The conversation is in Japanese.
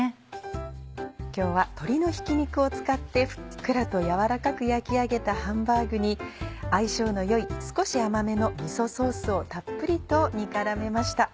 今日は鶏のひき肉を使ってふっくらと軟らかく焼き上げたハンバーグに相性の良い少し甘めのみそソースをたっぷりと煮絡めました。